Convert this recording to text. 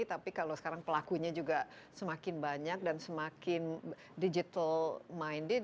tapi kalau sekarang pelakunya juga semakin banyak dan semakin digital minded